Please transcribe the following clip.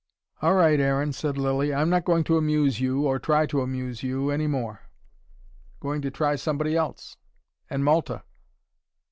"All right, Aaron," said Lilly. "I'm not going to amuse you, or try to amuse you any more." "Going to try somebody else; and Malta."